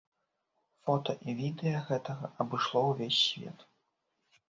Фота і відэа гэтага абышло ўвесь свет.